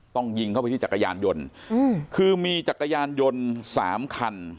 ยิงเข้าไปที่จักรยานยนต์คือมีจักรยานยนต์สามคัน